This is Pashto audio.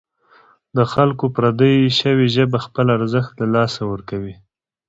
له خلکو پردۍ شوې ژبه خپل ارزښت له لاسه ورکوي.